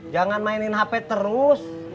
jangan mainin hp terus